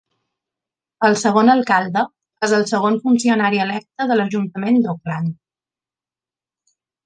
El segon alcalde és el segon funcionari electe de l'Ajuntament d'Auckland.